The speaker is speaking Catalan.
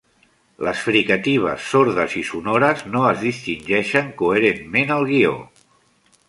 Les fricatives sordes i sonores no es distingeixen coherentment al guió.